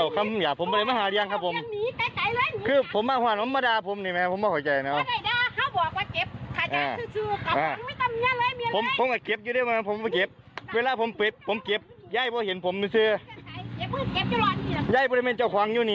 ขยะเป็นเหตุ